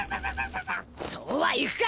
そうはいくか！